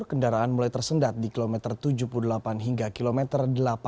kendaraan mulai tersendat di kilometer tujuh puluh delapan hingga kilometer delapan puluh